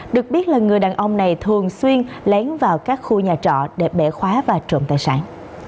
được biết là người đàn ông này thường xuyên lén vào các khu nhà trọ để bẻ khóa và trộm tài sản